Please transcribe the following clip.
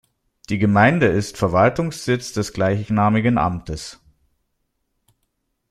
Die Gemeinde ist Verwaltungssitz des gleichnamigen Amtes.